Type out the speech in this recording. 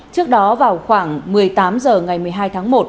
trước đó vào khoảng một mươi tám h ngày một mươi hai tháng một